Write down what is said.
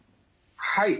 はい